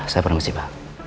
saya permisi pak